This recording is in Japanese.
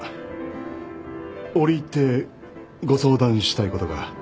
折り入ってご相談したいことが。